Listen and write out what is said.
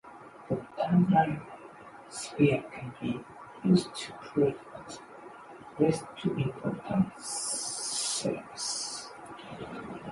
The Dandelin spheres can be used to prove at least two important theorems.